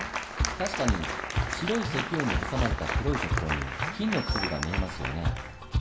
確かに白い石英に挟まれた黒い所に金の粒が見えますよね。